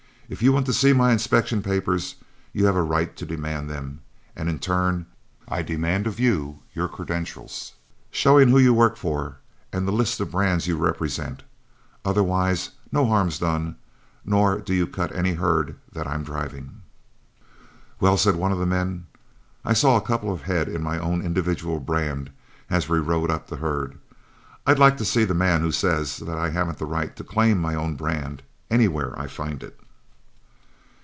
If you want to see my inspection papers, you have a right to demand them, and in turn I demand of you your credentials, showing who you work for and the list of brands you represent; otherwise no harm's done; nor do you cut any herd that I'm driving." "Well," said one of the men, "I saw a couple of head in my own individual brand as we rode up the herd. I'd like to see the man who says that I haven't the right to claim my own brand, anywhere I find it."